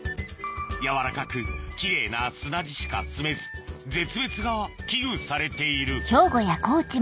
やわらかくキレイな砂地しかすめず絶滅が危惧されている。